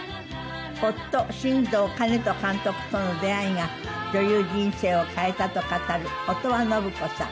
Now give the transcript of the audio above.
夫新藤兼人監督との出会いが女優人生を変えたと語る乙羽信子さん。